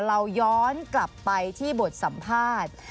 เราย้อนกลับไปที่บทสัมภาษณ์